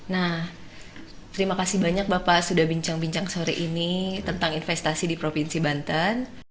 nah terima kasih banyak bapak sudah bincang bincang sore ini tentang investasi di provinsi banten